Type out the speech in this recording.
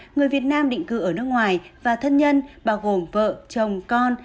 người việt nam định cư ở nước ngoài và thân nhân bao gồm vợ chồng con